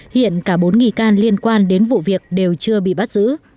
hiện cả bốn nghi can liên quan đến vụ việc đều chưa bị bắn rơi máy bay mh một mươi bảy